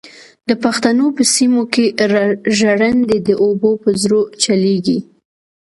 د پښتنو په سیمو کې ژرندې د اوبو په زور چلېږي.